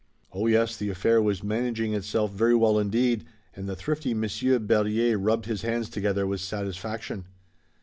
Oh, yes, the affair was managing itself very well indeed, and the thrifty Monsieur Berryer rubbed his hands together with satisfaction.